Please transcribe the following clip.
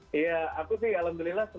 mereka mulai cari kalau lagi kita klassen